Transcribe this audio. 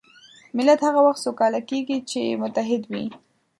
ملت هغه وخت سوکاله کېږي چې متحد وي.